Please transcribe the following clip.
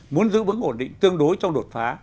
muốn giữ vững ổn định tương đối trong đột phá